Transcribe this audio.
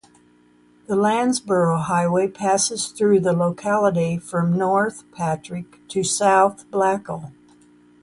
The Landsborough Highway passes through the locality from north (Patrick) to south (Blackall).